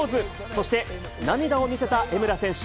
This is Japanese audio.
そして涙を見せた江村選手。